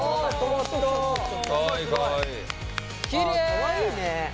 かわいいね。